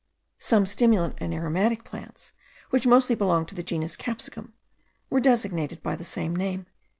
Some stimulant and aromatic plants, which mostly belonging to the genus capsicum, were designated by the same name.)